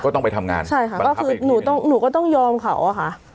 ต้องไปทำงานใช่ค่ะก็คือหนูต้องหนูก็ต้องยอมเขาอะค่ะ